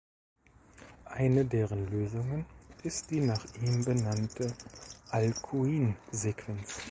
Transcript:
Eine deren Lösungen ist die nach ihm benannte "Alkuin-Sequenz".